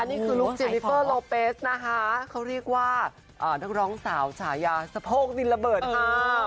นี่คือลูกซิลิเปอร์โลเปสนะคะเขาเรียกว่านักร้องสาวฉายาสะโพกดินระเบิดค่ะ